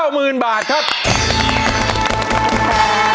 หมื่นบาทครับ